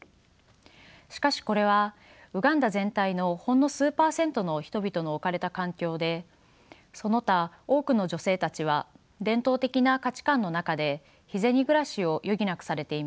しかしこれはウガンダ全体のほんの数％の人々の置かれた環境でその他多くの女性たちは伝統的な価値観の中で日銭暮らしを余儀なくされています。